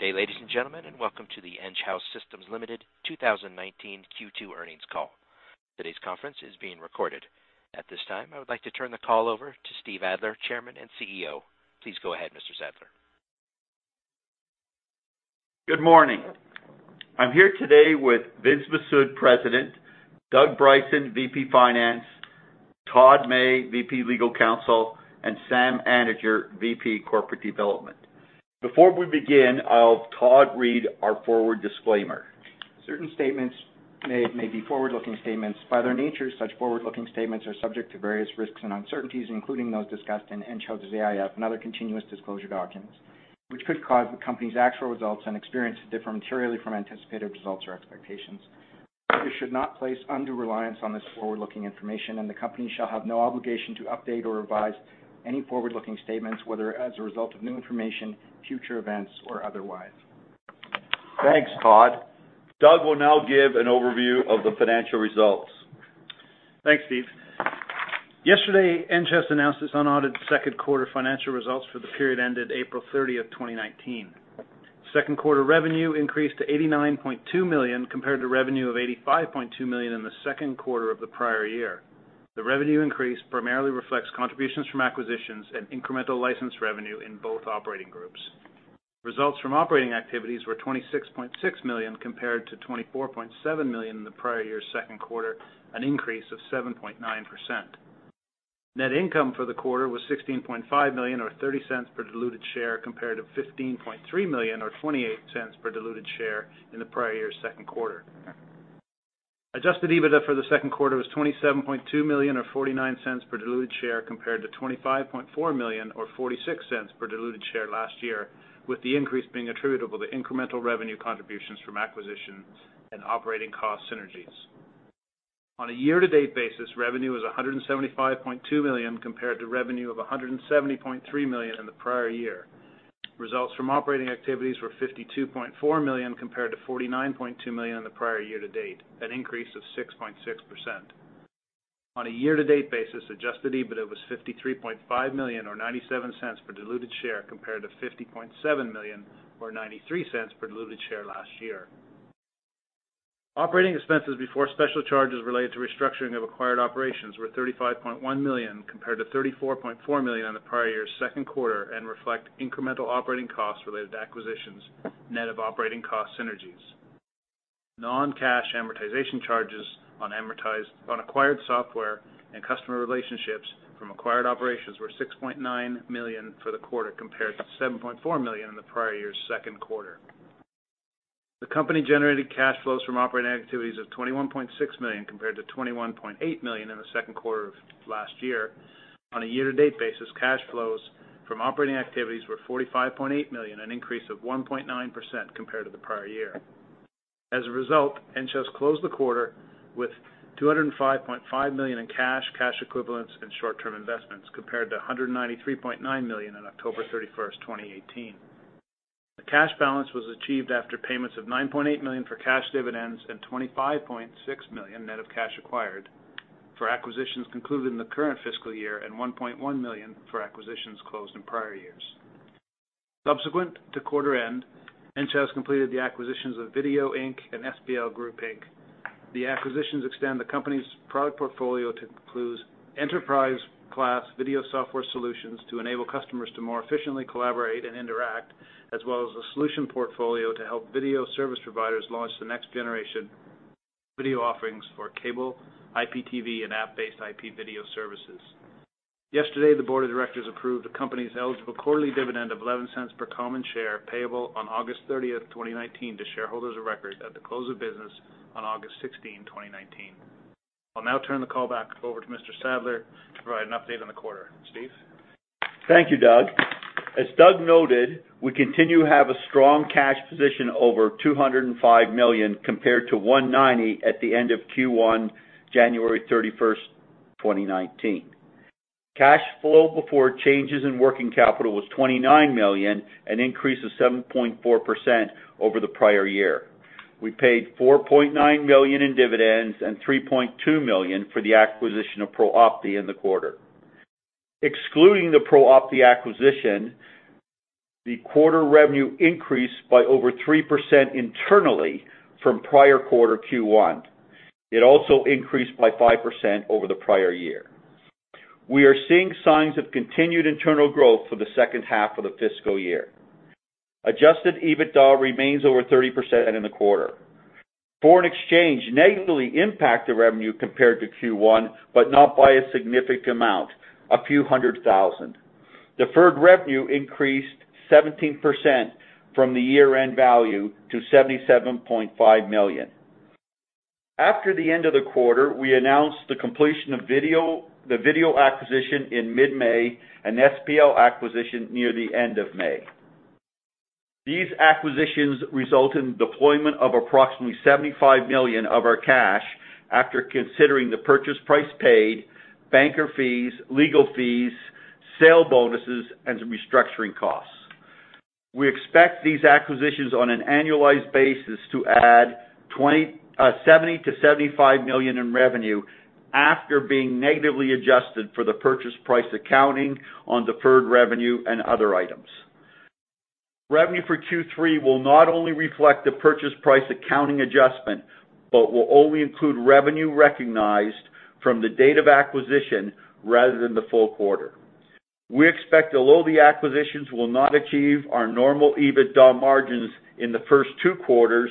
Good day, ladies and gentlemen, and welcome to the Enghouse Systems Limited 2019 Q2 earnings call. Today's conference is being recorded. At this time, I would like to turn the call over to Stephen J. Sadler, Chairman and CEO. Please go ahead, Mr. Sadler. Good morning. I'm here today with Vince Mifsud, President, Doug, VP Finance, Todd May, VP Legal Counsel, and Sam Anidjar, VP Corporate Development. Before we begin, I'll have Todd read our forward disclaimer. Certain statements made may be forward-looking statements. By their nature, such forward-looking statements are subject to various risks and uncertainties, including those discussed in Enghouse's AIF and other continuous disclosure documents, which could cause the company's actual results and experiences to differ materially from anticipated results or expectations. You should not place undue reliance on this forward-looking information, and the company shall have no obligation to update or revise any forward-looking statements, whether as a result of new information, future events, or otherwise. Thanks, Todd. Doug will now give an overview of the financial results. Thanks, Steve. Yesterday, Enghouse announced its unaudited second quarter financial results for the period ended April 30th, 2019. Second quarter revenue increased to 89.2 million compared to revenue of 85.2 million in the second quarter of the prior year. The revenue increase primarily reflects contributions from acquisitions and incremental license revenue in both operating groups. Results from operating activities were 26.6 million compared to 24.7 million in the prior year's second quarter, an increase of 7.9%. Net income for the quarter was 16.5 million, or 0.30 per diluted share compared to 15.3 million or 0.28 per diluted share in the prior year's second quarter. Adjusted EBITDA for the second quarter was 27.2 million or 0.49 per diluted share compared to 25.4 million or 0.46 per diluted share last year, with the increase being attributable to incremental revenue contributions from acquisitions and operating cost synergies. On a year-to-date basis, revenue is 175.2 million compared to revenue of 170.3 million in the prior year. Results from operating activities were 52.4 million compared to 49.2 million in the prior year-to-date, an increase of 6.6%. On a year-to-date basis, adjusted EBITDA was 53.5 million or 0.97 per diluted share compared to 50.7 million or 0.93 per diluted share last year. Operating expenses before special charges related to restructuring of acquired operations were 35.1 million compared to 34.4 million in the prior year's second quarter and reflect incremental operating costs related to acquisitions, net of operating cost synergies. Non-cash amortization charges on acquired software and customer relationships from acquired operations were 6.9 million for the quarter compared to 7.4 million in the prior year's second quarter. The company generated cash flows from operating activities of 21.6 million compared to 21.8 million in the second quarter of last year. On a year-to-date basis, cash flows from operating activities were 45.8 million, an increase of 1.9% compared to the prior year. As a result, Enghouse closed the quarter with 205.5 million in cash equivalents, and short-term investments compared to 193.9 million on October 31st, 2019. The cash balance was achieved after payments of 9.8 million for cash dividends and 25.6 million net of cash acquired for acquisitions concluded in the current fiscal year and 1.1 million for acquisitions closed in prior years. Subsequent to quarter end, Enghouse completed the acquisitions of Vidyo, Inc. and Espial Group Inc. The acquisitions extend the company's product portfolio to include enterprise-class video software solutions to enable customers to more efficiently collaborate and interact, as well as a solution portfolio to help video service providers launch the next-generation video offerings for cable, IPTV, and app-based IP video services. Yesterday, the board of directors approved the company's eligible quarterly dividend of 0.11 per common share, payable on August 30th, 2019, to shareholders of record at the close of business on August 16, 2019. I'll now turn the call back over to Mr. Sadler to provide an update on the quarter. Steve? Thank you, Doug. As Doug noted, we continue to have a strong cash position over 205 million compared to 190 million at the end of Q1, January 31st, 2019. Cash flow before changes in working capital was 29 million, an increase of 7.4% over the prior year. We paid 4.9 million in dividends and 3.2 million for the acquisition of ProOpti in the quarter. Excluding the ProOpti acquisition, the quarter revenue increased by over 3% internally from prior quarter Q1. It also increased by 5% over the prior year. We are seeing signs of continued internal growth for the second half of the fiscal year. Adjusted EBITDA remains over 30% in the quarter. Foreign exchange negatively impacted revenue compared to Q1, but not by a significant amount, a CAD few hundred thousand. Deferred revenue increased 17% from the year-end value to 77.5 million. After the end of the quarter, we announced the completion of the Vidyo acquisition in mid-May and Espial acquisition near the end of May. These acquisitions result in deployment of approximately 75 million of our cash after considering the purchase price paid, banker fees, legal fees, sale bonuses, and restructuring costs. We expect these acquisitions on an annualized basis to add 70 million to 75 million in revenue after being negatively adjusted for the purchase price accounting on deferred revenue and other items. Revenue for Q3 will not only reflect the purchase price accounting adjustment, but will only include revenue recognized from the date of acquisition rather than the full quarter. We expect although the acquisitions will not achieve our normal EBITDA margins in the first two quarters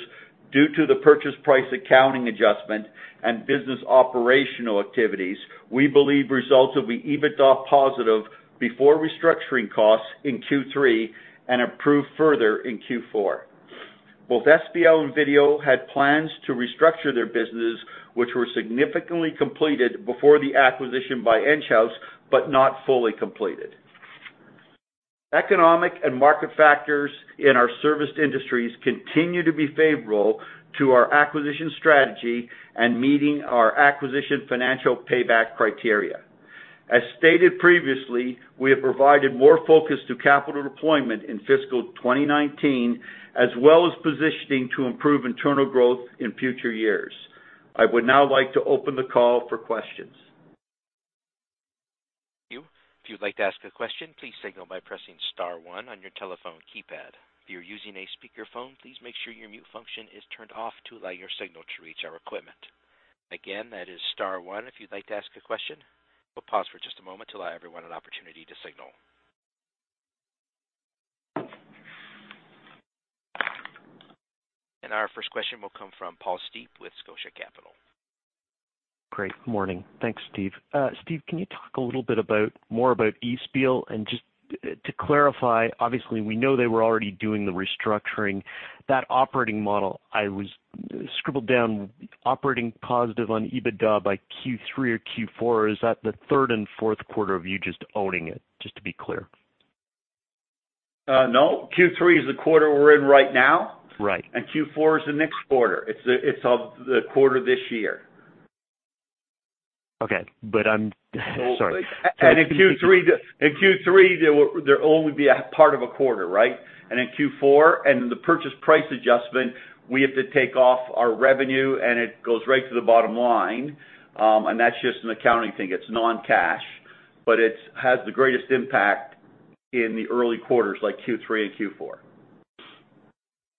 due to the purchase price accounting adjustment and business operational activities, we believe results will be EBITDA positive before restructuring costs in Q3 and improve further in Q4. Both Espial and Vidyo had plans to restructure their businesses, which were significantly completed before the acquisition by Enghouse, but not fully completed. Economic and market factors in our service industries continue to be favorable to our acquisition strategy and meeting our acquisition financial payback criteria. As stated previously, we have provided more focus to capital deployment in fiscal 2019, as well as positioning to improve internal growth in future years. I would now like to open the call for questions. If you'd like to ask a question, please signal by pressing star one on your telephone keypad. If you're using a speaker phone, please make sure your mute function is turned off to allow your signal to reach our equipment. Again, that is star one if you'd like to ask a question. We'll pause for just a moment to allow everyone an opportunity to signal. Our first question will come from Paul Steep with Scotia Capital. Great. Morning. Thanks, Steve. Steve, can you talk a little bit more about Espial? Just to clarify, obviously, we know they were already doing the restructuring. That operating model I scribbled down, operating positive on EBITDA by Q3 or Q4. Is that the third and fourth quarter of you just owning it, just to be clear? No, Q3 is the quarter we're in right now. Right. Q4 is the next quarter. It's the quarter this year. Okay. I'm sorry. In Q3, there will only be a part of a quarter. In Q4, in the purchase price adjustment, we have to take off our revenue, and it goes right to the bottom line. That's just an accounting thing. It's non-cash. It has the greatest impact in the early quarters, like Q3 and Q4.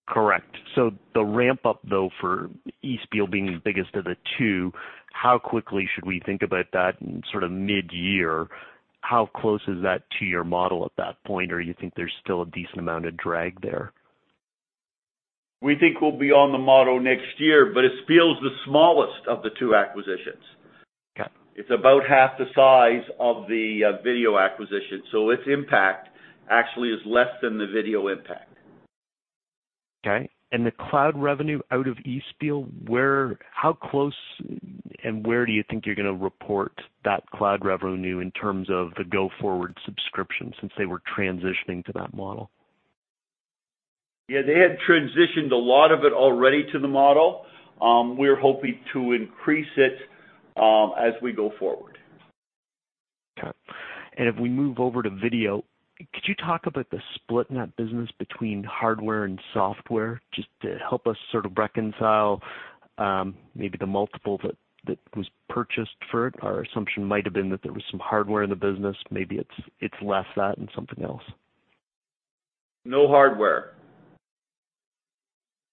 Correct. The ramp-up, though, for Espial being the biggest of the two, how quickly should we think about that in mid-year? How close is that to your model at that point, or you think there's still a decent amount of drag there? We think we'll be on the model next year. Espial is the smallest of the two acquisitions. Okay. It's about half the size of the Vidyo acquisition. Its impact actually is less than the Vidyo impact. Okay. The cloud revenue out of Espial, how close and where do you think you're going to report that cloud revenue in terms of the go-forward subscription, since they were transitioning to that model? Yeah, they had transitioned a lot of it already to the model. We're hoping to increase it as we go forward. Okay. If we move over to Vidyo, could you talk about the split in that business between hardware and software, just to help us sort of reconcile maybe the multiple that was purchased for it? Our assumption might have been that there was some hardware in the business, maybe it's less that and something else. No hardware.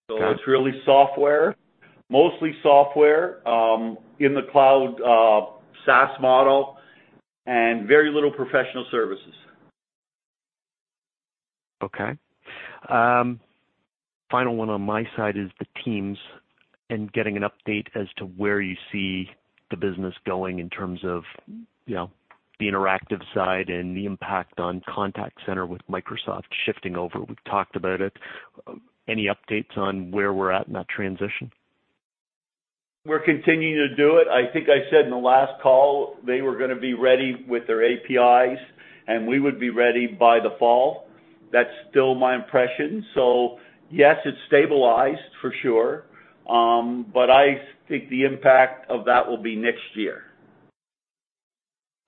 Okay. It's really software, mostly software, in the cloud SaaS model, and very little professional services. Okay. Final one on my side is the Teams and getting an update as to where you see the business going in terms of the interactive side and the impact on contact center with Microsoft shifting over. We've talked about it. Any updates on where we're at in that transition? We're continuing to do it. I think I said in the last call, they were going to be ready with their APIs, and we would be ready by the fall. That's still my impression. Yes, it's stabilized for sure. I think the impact of that will be next year.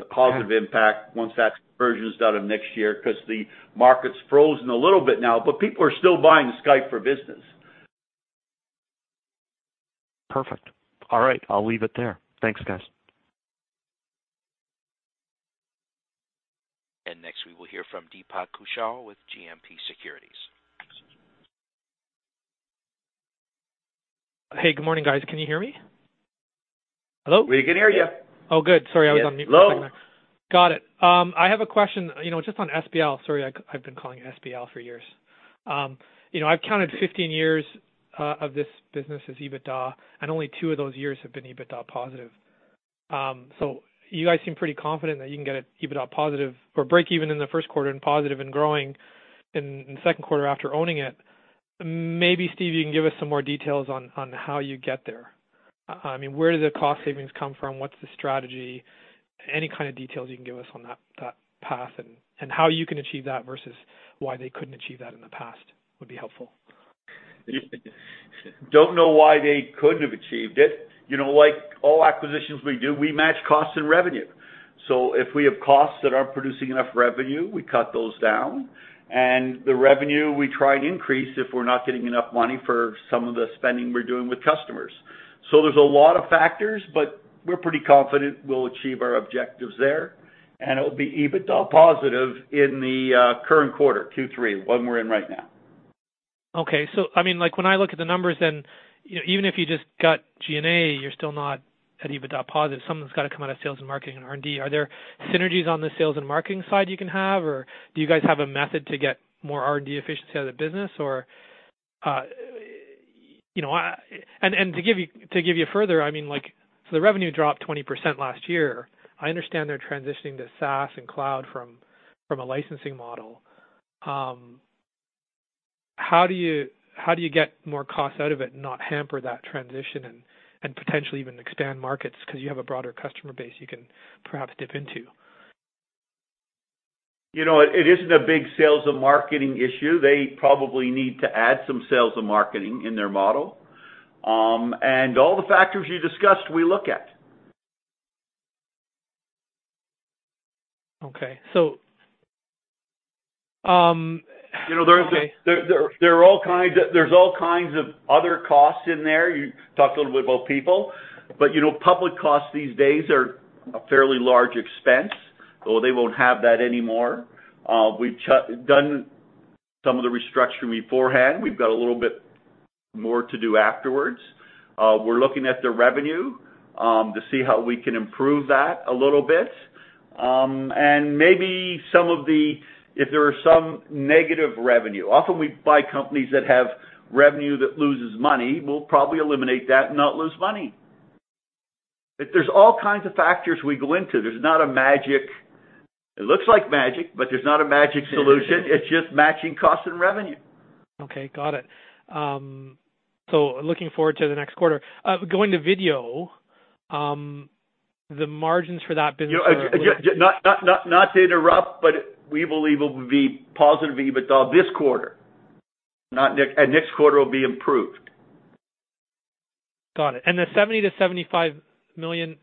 Okay. The positive impact once that conversion's done of next year, because the market's frozen a little bit now, but people are still buying Skype for Business. Perfect. All right. I'll leave it there. Thanks, guys. Next we will hear from Deepak Kaushal with GMP Securities. Hey, good morning, guys. Can you hear me? Hello? We can hear you. Oh, good. Sorry, I was on mute for a second there. Hello. Got it. I have a question just on Espial. Sorry, I've been calling it Espial for years. I've counted 15 years of this business as EBITDA, and only two of those years have been EBITDA positive. You guys seem pretty confident that you can get it EBITDA positive or breakeven in the first quarter and positive and growing in the second quarter after owning it. Maybe, Steve, you can give us some more details on how you get there. Where do the cost savings come from? What's the strategy? Any kind of details you can give us on that path and how you can achieve that versus why they couldn't achieve that in the past would be helpful. Don't know why they couldn't have achieved it. Like all acquisitions we do, we match costs and revenue. If we have costs that aren't producing enough revenue, we cut those down. The revenue, we try and increase if we're not getting enough money for some of the spending we're doing with customers. There's a lot of factors, but we're pretty confident we'll achieve our objectives there, and it'll be EBITDA positive in the current quarter, Q3, the one we're in right now. Okay. When I look at the numbers, and even if you just got G&A, you're still not at EBITDA positive. Something's got to come out of sales and marketing and R&D. Are there synergies on the sales and marketing side you can have, or do you guys have a method to get more R&D efficiency out of the business? To give you further, the revenue dropped 20% last year. I understand they're transitioning to SaaS and cloud from a licensing model. How do you get more cost out of it and not hamper that transition and potentially even expand markets because you have a broader customer base you can perhaps dip into? It isn't a big sales and marketing issue. They probably need to add some sales and marketing in their model. All the factors you discussed, we look at. Okay. There's all kinds of other costs in there. You talked a little bit about people, public costs these days are a fairly large expense. They won't have that anymore. We've done some of the restructuring beforehand. We've got a little bit more to do afterwards. We're looking at their revenue to see how we can improve that a little bit. Maybe if there are some negative revenue, often we buy companies that have revenue that loses money, we'll probably eliminate that and not lose money. There's all kinds of factors we go into. It looks like magic, there's not a magic solution. It's just matching cost and revenue. Okay, got it. Looking forward to the next quarter. Going to Vidyo, the margins for that business are. Not to interrupt, we believe it will be positive EBITDA this quarter, next quarter will be improved. Got it. The 70 million-75 million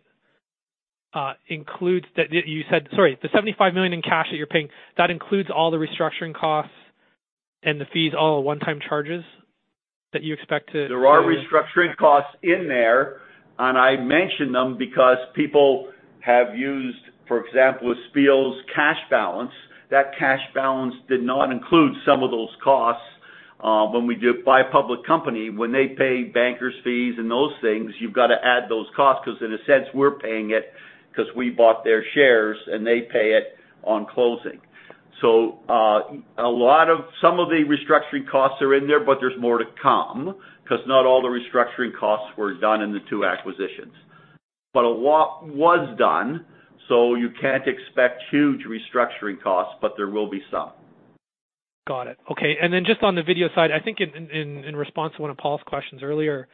includes Sorry, the 75 million in cash that you're paying, that includes all the restructuring costs and the fees, all one-time charges that you expect to. There are restructuring costs in there, and I mention them because people have used, for example, with Espial's cash balance. That cash balance did not include some of those costs. When we buy a public company, when they pay bankers' fees and those things, you've got to add those costs because in a sense, we're paying it because we bought their shares and they pay it on closing. Some of the restructuring costs are in there, but there's more to come because not all the restructuring costs were done in the two acquisitions. A lot was done, so you can't expect huge restructuring costs, but there will be some. Got it. Okay. Then just on the Vidyo side, I think in response to one of Paul's questions earlier,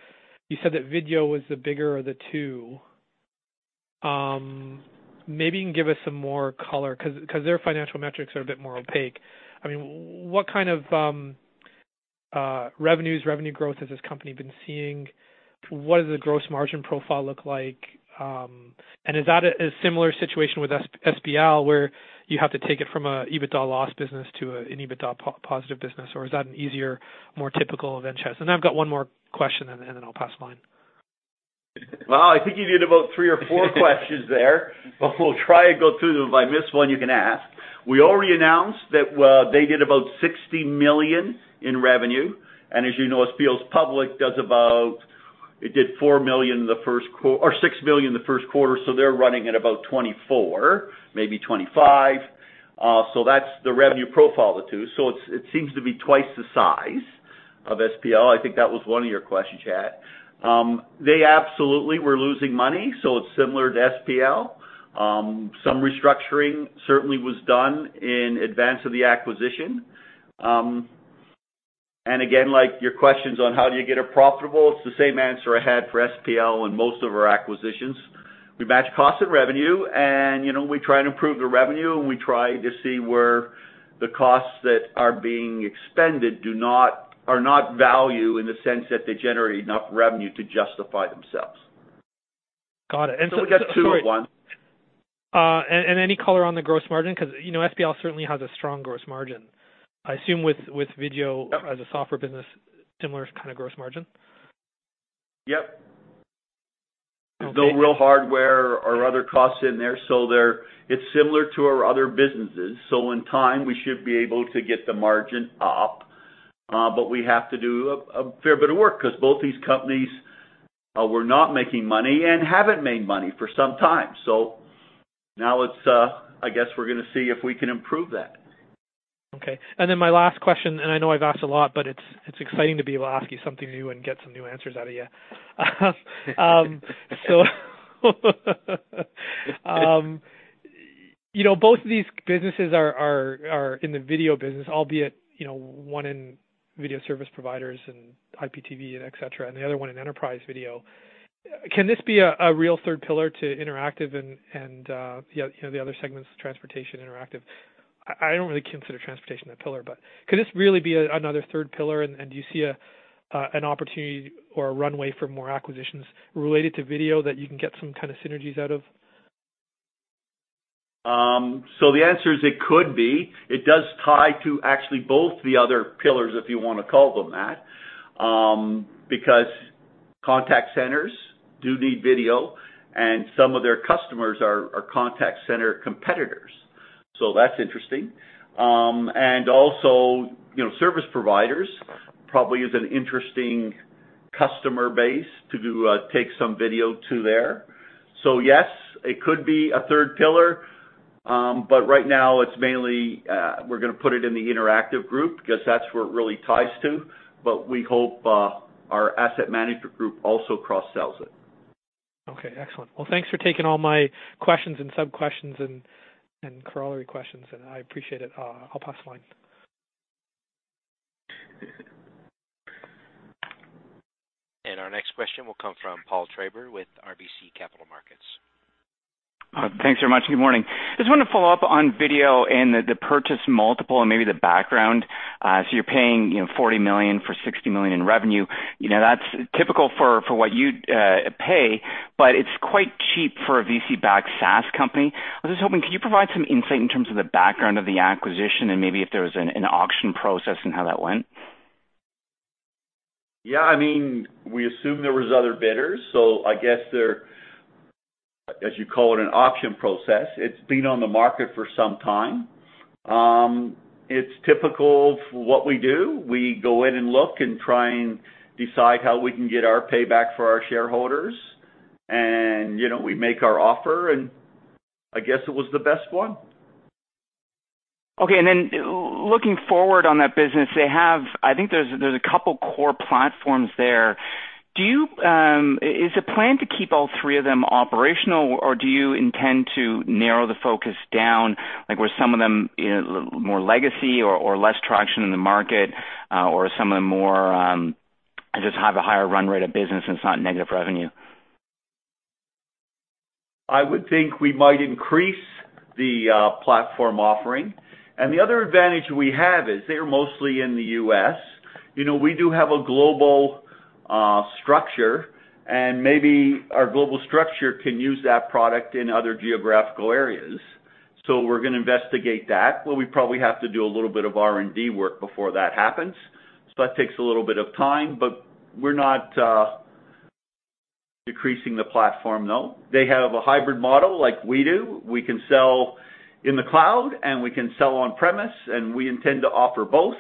you said that Vidyo was the bigger of the two. Maybe you can give us some more color, because their financial metrics are a bit more opaque. What kind of revenues, revenue growth has this company been seeing? What does the gross margin profile look like? Is that a similar situation with Espial where you have to take it from an EBITDA loss business to an EBITDA positive business, or is that an easier, more typical Enghouse? I've got one more question, then I'll pass the line. Well, I think you did about three or four questions there, but we'll try and go through them. If I miss one, you can ask. We already announced that they did about 60 million in revenue. As you know, Espial does about, it did 6 million in the first quarter, so they're running at about 24 million, maybe 25 million. That's the revenue profile of the two. It seems to be twice the size of Espial. I think that was one of your questions, [Kaushal]. They absolutely were losing money, so it's similar to Espial. Some restructuring certainly was done in advance of the acquisition. Again, like your questions on how do you get it profitable, it's the same answer I had for Espial and most of our acquisitions. We match cost and revenue, we try and improve the revenue, we try to see where the costs that are being expended are not value in the sense that they generate enough revenue to justify themselves. Got it. That's two for one. Any color on the gross margin? Espial certainly has a strong gross margin. I assume with Vidyo as a software business, similar kind of gross margin? Yep. There's no real hardware or other costs in there, it's similar to our other businesses. In time, we should be able to get the margin up, but we have to do a fair bit of work because both these companies were not making money and haven't made money for some time. Now, I guess we're going to see if we can improve that. Okay. My last question, I know I've asked a lot, but it's exciting to be able to ask you something new and get some new answers out of you. Both of these businesses are in the video business, albeit one in video service providers and IPTV and et cetera, and the other one in enterprise video. Can this be a real third pillar to Interactive and the other segments of transportation Interactive? I don't really consider transportation a pillar, but could this really be another third pillar? Do you see an opportunity or a runway for more acquisitions related to video that you can get some kind of synergies out of? The answer is it could be. It does tie to actually both the other pillars, if you want to call them that, because contact centers do need video, and some of their customers are contact center competitors. That's interesting. Also, service providers, probably is an interesting customer base to take some video to there. Yes, it could be a third pillar. Right now, it's mainly, we're going to put it in the Interactive group because that's where it really ties to. We hope our asset management group also cross-sells it. Okay, excellent. Well, thanks for taking all my questions and sub-questions and corollary questions, I appreciate it. I'll pass the line. Our next question will come from Paul Treiber with RBC Capital Markets. Thanks very much. Good morning. Just want to follow up on Vidyo and the purchase multiple and maybe the background. You're paying 40 million for 60 million in revenue. That's typical for what you'd pay, but it's quite cheap for a VC-backed SaaS company. I was just hoping, could you provide some insight in terms of the background of the acquisition and maybe if there was an auction process and how that went? We assumed there was other bidders, so I guess there, as you call it, an auction process. It's been on the market for some time. It's typical for what we do. We go in and look and try and decide how we can get our payback for our shareholders. We make our offer, and I guess it was the best one. Looking forward on that business, I think there's a two core platforms there. Is the plan to keep all three of them operational, or do you intend to narrow the focus down, like where some of them more legacy or less traction in the market? Are some of them more, just have a higher run rate of business and it's not negative revenue? I would think we might increase the platform offering. The other advantage we have is they are mostly in the U.S. We do have a global structure, maybe our global structure can use that product in other geographical areas. We're going to investigate that, but we probably have to do a little bit of R&D work before that happens. That takes a little bit of time, but we're not decreasing the platform, no. They have a hybrid model like we do. We can sell in the cloud, we can sell on-premise, we intend to offer both.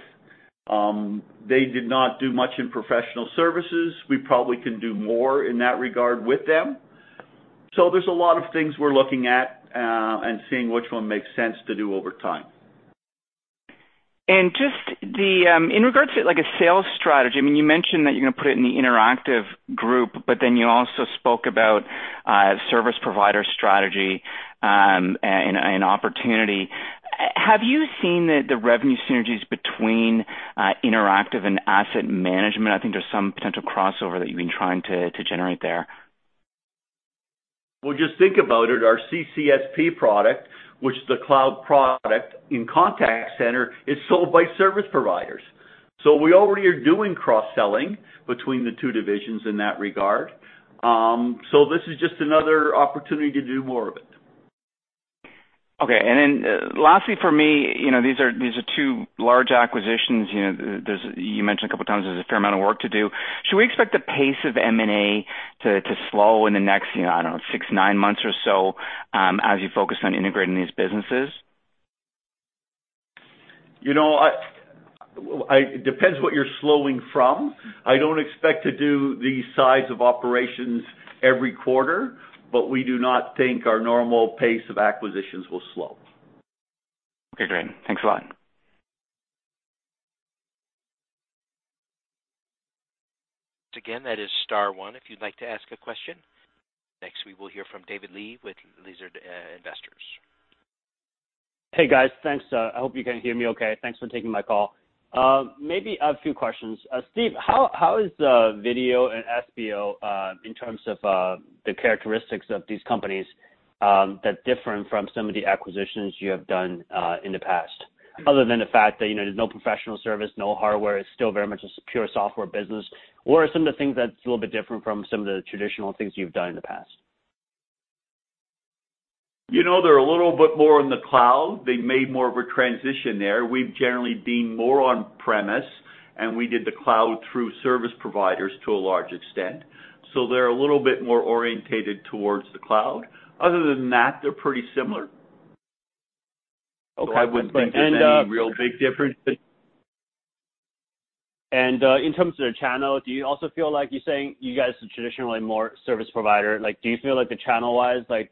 They did not do much in professional services. We probably can do more in that regard with them. There's a lot of things we're looking at, seeing which one makes sense to do over time. Just in regards to, like a sales strategy. You mentioned that you're going to put it in the interactive group, you also spoke about service provider strategy and opportunity. Have you seen the revenue synergies between interactive and asset management? I think there's some potential crossover that you've been trying to generate there. Well, just think about it. Our CCSP product, which is the cloud product in contact center, is sold by service providers. We already are doing cross-selling between the two divisions in that regard. This is just another opportunity to do more of it. Okay, lastly for me, these are two large acquisitions. You mentioned a couple of times there's a fair amount of work to do. Should we expect the pace of M&A to slow in the next, I don't know, six, nine months or so, as you focus on integrating these businesses? It depends what you're slowing from. I don't expect to do the size of operations every quarter, but we do not think our normal pace of acquisitions will slow. Okay, great. Thanks a lot. Again, that is star one if you'd like to ask a question. Next, we will hear from David Lee with Lazard Investors. Hey, guys. Thanks. I hope you can hear me okay. Thanks for taking my call. Maybe a few questions. Steve, how is the Vidyo and Espial, in terms of the characteristics of these companies, that different from some of the acquisitions you have done in the past? Other than the fact that, there's no professional service, no hardware. It's still very much a pure software business. What are some of the things that's a little bit different from some of the traditional things you've done in the past? They're a little bit more in the cloud. They've made more of a transition there. We've generally been more on-premise, and we did the cloud through service providers to a large extent. They're a little bit more orientated towards the cloud. Other than that, they're pretty similar. Okay. I wouldn't think there's any real big difference. In terms of their channel, do you also feel like you're saying you guys are traditionally more service provider? Do you feel like the channel-wise, they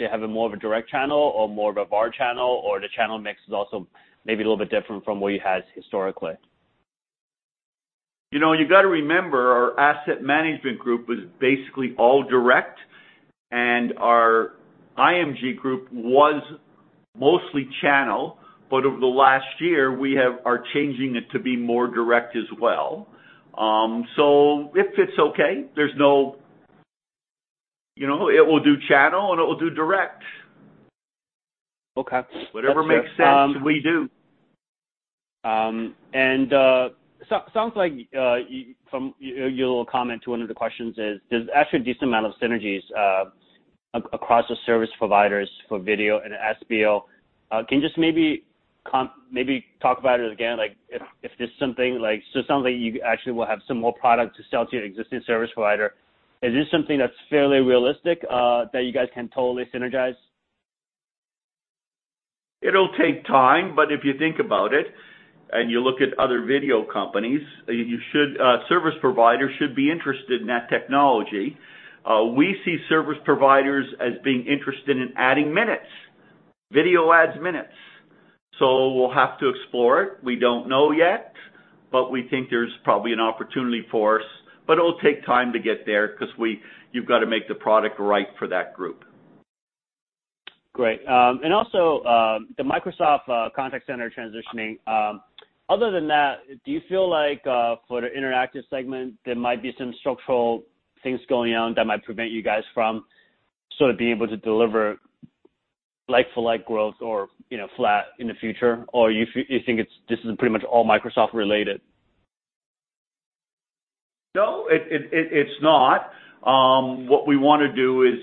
have a more of a direct channel or more of a VAR channel, or the channel mix is also maybe a little bit different from what you had historically? You've got to remember, our asset management group was basically all direct, and our IMG group was mostly channel. Over the last year, we are changing it to be more direct as well. It fits okay. It will do channel and it will do direct. Okay. Whatever makes sense, we do. Sounds like from your little comment to one of the questions is there's actually a decent amount of synergies across the service providers for Vidyo and SBO. Can, just maybe talk about it again? Something you actually will have some more product to sell to your existing service provider. Is this something that's fairly realistic that you guys can totally synergize? It'll take time, if you think about it, and you look at other video companies, service providers should be interested in that technology. We see service providers as being interested in adding minutes. Vidyo adds minutes. We'll have to explore it. We don't know yet, but we think there's probably an opportunity for us. It'll take time to get there because you've got to make the product right for that group. Great. Also, the Microsoft Contact Center transitioning. Other than that, do you feel like for the Interactive Segment, there might be some structural things going on that might prevent you guys from sort of being able to deliver like-for-like growth or flat in the future, or you think this is pretty much all Microsoft related? No, it's not. What we want to do is,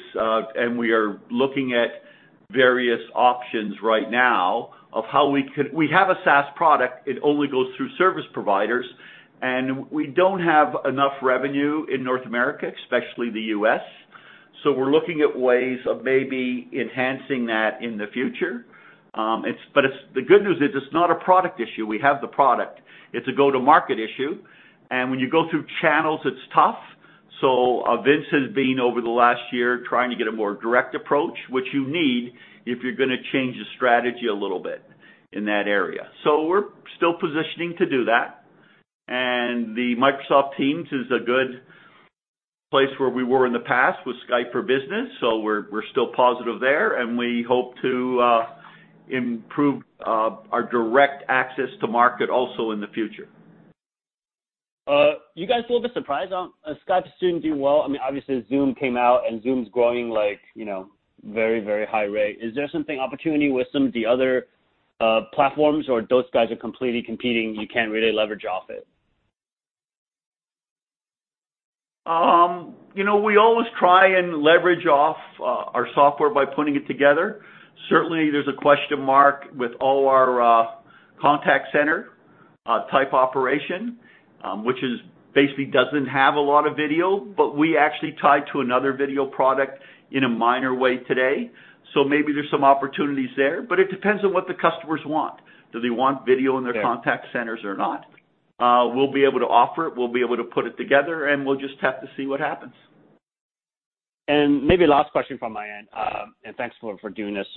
we are looking at various options right now of how we could. We have a SaaS product. It only goes through service providers, we don't have enough revenue in North America, especially the U.S. We're looking at ways of maybe enhancing that in the future. The good news is it's not a product issue. We have the product. It's a go-to-market issue, when you go through channels, it's tough. Vince has been, over the last year, trying to get a more direct approach, which you need if you're going to change the strategy a little bit in that area. We're still positioning to do that. The Microsoft Teams is a good place where we were in the past with Skype for Business, so we're still positive there, and we hope to improve our direct access to market also in the future. You guys a little bit surprised on Skype, Zoom doing well? Obviously Zoom came out, Zoom's growing very high rate. Is there something opportunity with some of the other platforms or those guys are completely competing, you can't really leverage off it? We always try and leverage off our software by putting it together. Certainly, there's a question mark with all our Contact Center type operation, which is basically doesn't have a lot of video, but we actually tie to another video product in a minor way today. Maybe there's some opportunities there, but it depends on what the customers want. Do they want video in their Contact Centers or not? We'll be able to offer it, we'll be able to put it together, and we'll just have to see what happens. Maybe last question from my end, and thanks for doing this.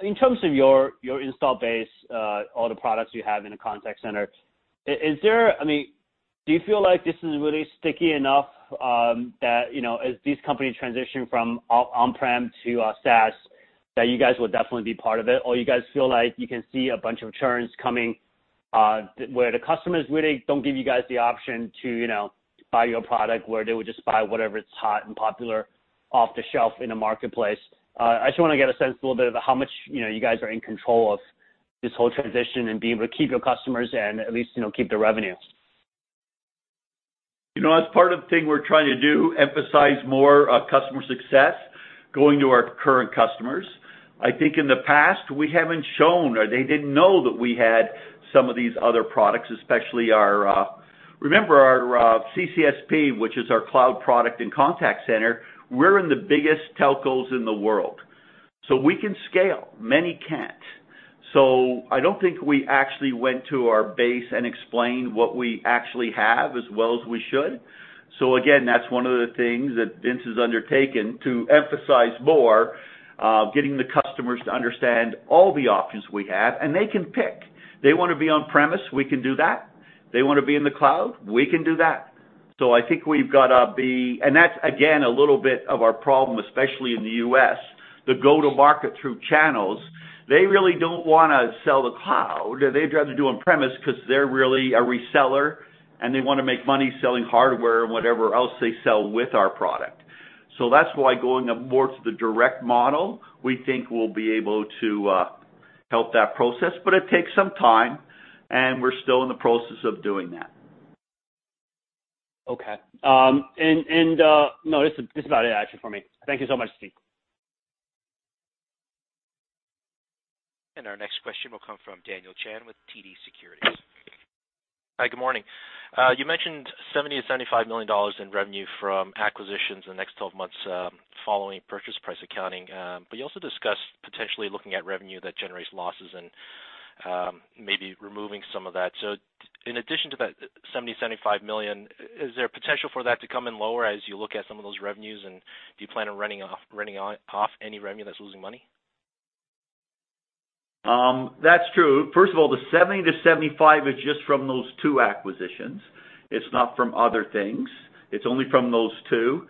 In terms of your install base, all the products you have in the contact center, do you feel like this is really sticky enough that as these companies transition from on-prem to SaaS, that you guys will definitely be part of it? You guys feel like you can see a bunch of churns coming, where the customers really don't give you guys the option to buy your product, where they would just buy whatever is hot and popular off the shelf in a marketplace? I just want to get a sense a little bit about how much you guys are in control of this whole transition and being able to keep your customers and at least keep the revenue. As part of the thing we're trying to do, emphasize more customer success, going to our current customers. I think in the past, we haven't shown or they didn't know that we had some of these other products. Remember our CCSP, which is our cloud product and contact center, we're in the biggest telcos in the world. We can scale. Many can't. I don't think we actually went to our base and explained what we actually have as well as we should. Again, that's one of the things that Vince has undertaken to emphasize more, getting the customers to understand all the options we have, and they can pick. They want to be on-premise, we can do that. They want to be in the cloud, we can do that. That's, again, a little bit of our problem, especially in the U.S., the go-to-market through channels. They really don't want to sell the cloud. They'd rather do on-premise because they're really a reseller, and they want to make money selling hardware and whatever else they sell with our product. That's why going more to the direct model, we think we'll be able to help that process. It takes some time, and we're still in the process of doing that. Okay. No, this is about it actually for me. Thank you so much, Steve. Our next question will come from Daniel Chan with TD Securities. Hi, good morning. You mentioned 70 million-75 million dollars in revenue from acquisitions in the next 12 months following purchase price accounting. You also discussed potentially looking at revenue that generates losses and maybe removing some of that. In addition to that 70 million, 75 million, is there potential for that to come in lower as you look at some of those revenues, and do you plan on running off any revenue that's losing money? That's true. First of all, the 70-75 is just from those two acquisitions. It's not from other things. It's only from those two.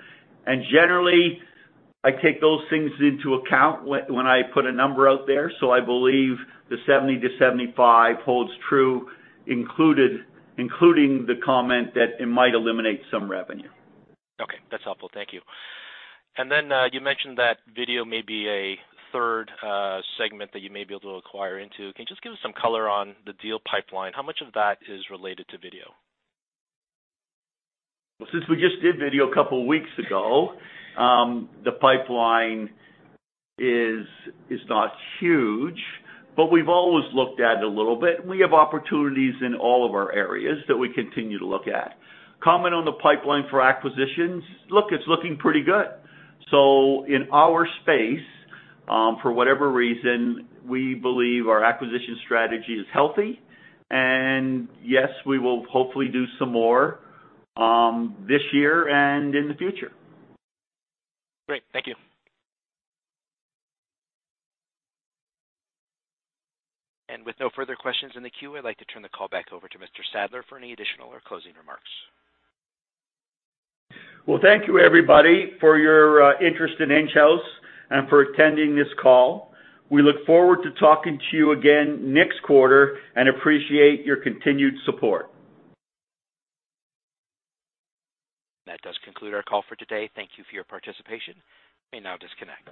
Generally, I take those things into account when I put a number out there. I believe the 70-75 holds true, including the comment that it might eliminate some revenue. Okay, that's helpful. Thank you. You mentioned that video may be a third segment that you may be able to acquire into. Can you just give us some color on the deal pipeline? How much of that is related to video? Since we just did video a couple of weeks ago, the pipeline is not huge, but we've always looked at it a little bit, and we have opportunities in all of our areas that we continue to look at. Comment on the pipeline for acquisitions, look, it's looking pretty good. In our space, for whatever reason, we believe our acquisition strategy is healthy, and yes, we will hopefully do some more this year and in the future. Great. Thank you. With no further questions in the queue, I'd like to turn the call back over to Mr. Sadler for any additional or closing remarks. Well, thank you, everybody, for your interest in Enghouse and for attending this call. We look forward to talking to you again next quarter and appreciate your continued support. That does conclude our call for today. Thank you for your participation. You may now disconnect.